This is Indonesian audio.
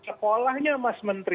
sekolahnya mas menteri